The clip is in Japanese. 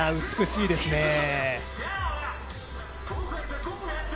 美しいですね。